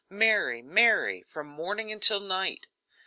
Mary! Mary!' from morning until night.